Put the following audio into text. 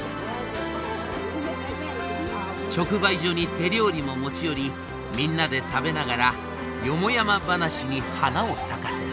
直売所に手料理も持ち寄りみんなで食べながらよもやま話に花を咲かせる。